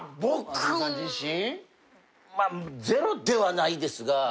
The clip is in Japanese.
０ではないですが。